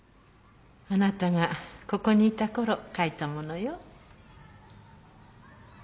あなたがここにいたころ書いたものよ。